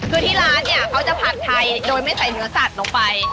คือที่ร้านเนี่ยเขาจะผัดไทยโดยไม่ใส่เนื้อสัตว์ลงไป